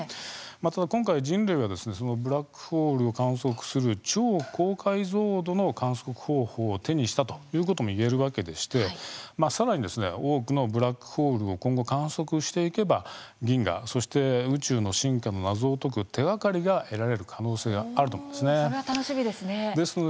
ただ今回、人類はブラックホールを観測する超高解像度の観測方法を手にしたということも言えるわけでしてさらに多くのブラックホールを今後、観測していけば銀河、そして宇宙の進化の謎を解く手がかりが得られる可能性がそれは楽しみですね。